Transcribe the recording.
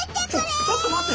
ちょっちょっとまって！